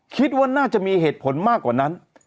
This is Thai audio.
คิดว่าน่าจะมีเหตุผลมากกว่านั้น